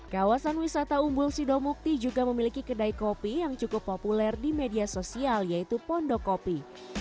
kawasan wisata umbul sidomukti juga memiliki kedai kopi yang cukup populer di media sosial yaitu pondokopi